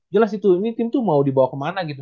jelas itu ini tim itu mau dibawa kemana gitu